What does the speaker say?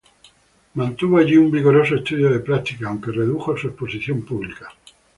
Allí mantuvo un vigoroso estudio de prácticas, aunque redujo su exposición pública.